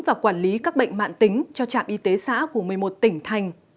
và quản lý các bệnh mạng tính cho trạm y tế xã của một mươi một tỉnh thành